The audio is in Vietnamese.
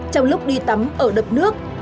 trong lúc đi tắm ở đập nước